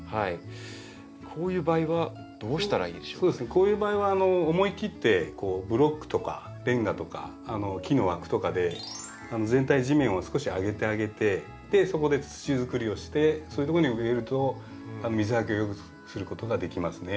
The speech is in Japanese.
こういう場合は思い切ってこうブロックとかレンガとか木の枠とかで全体地面を少し上げてあげてそこで土づくりをしてそういうとこに植えると水はけをよくすることができますね。